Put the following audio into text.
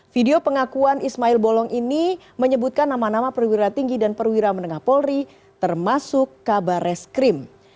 video pengakuan ismail bolong ini menyebutkan nama nama perwira tinggi dan perwira menengah polri termasuk kabar reskrim